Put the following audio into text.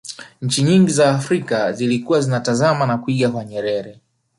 nchi nyingi za afrika zilikuwa zinatazama na kuiga kwa nyerere